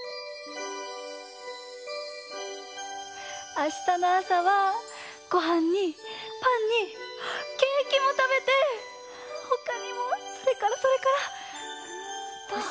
あしたのあさはごはんにパンにケーキもたべてほかにもそれからそれから！